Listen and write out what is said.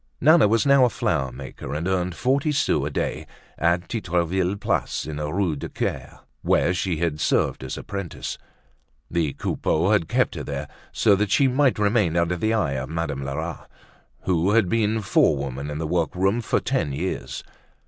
Nana was now a flower maker and earned forty sous a day at Titreville's place in the Rue du Caire, where she had served as apprentice. The Coupeaus had kept her there so that she might remain under the eye of Madame Lerat, who had been forewoman in the workroom for ten years.